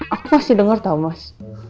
aku kasih denger tau mas